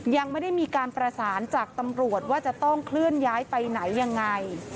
ยังไม่ได้มีการประสานจากตำรวจว่าจะต้องเคลื่อนย้ายไปไหนยังไง